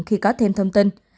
khi có thêm thông tin